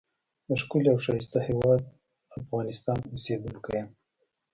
دښکلی او ښایسته هیواد افغانستان اوسیدونکی یم.